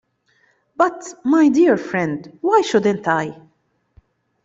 But, my dear friend, why shouldn't I?